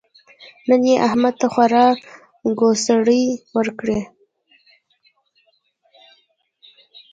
نن يې احمد ته خورا ګوسړې ورکړې.